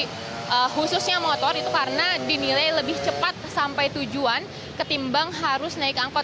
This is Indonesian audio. khususnya motor itu karena dinilai lebih cepat sampai tujuan ketimbang harus naik angkot